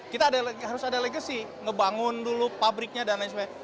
kita harus ada legacy ngebangun dulu pabriknya dan lain sebagainya